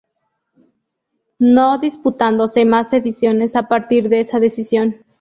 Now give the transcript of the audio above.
No disputándose más ediciones a partir de esa decisión.